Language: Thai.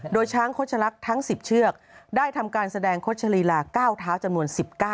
โดยช้างโฆษลักษณ์ทั้ง๑๐เชือกได้ทำการแสดงโฆษลีลา๙เท้าจำนวน๑๙